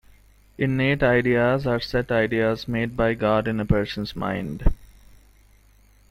Innate ideas are set ideas made by God in a person's mind.